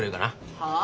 はあ？